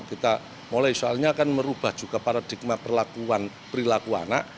kita mulai soalnya akan merubah juga paradigma perlakuan perilaku anak